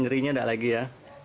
nyirinya tidak lagi ya